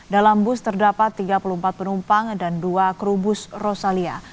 dalam bus terdapat tiga puluh empat penumpang dan dua kru bus rosalia